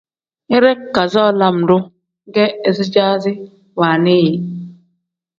Idee kazoo lam-ro ge izicaasi wannii yi.